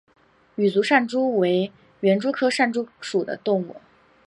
羽足扇蛛为园蛛科扇蛛属的动物。